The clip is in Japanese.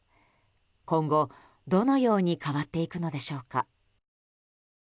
今後、どのように変わっていくのでしょうか。